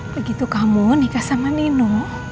begitu kamu nikah sama nino